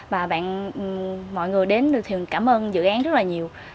và mọi người đến được thì cảm ơn dự án rất là nhiều